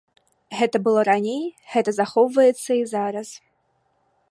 Гэты было раней, гэта захоўваецца і зараз.